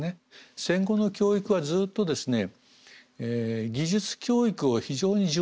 戦後の教育はずっとですね技術教育を非常に重視する。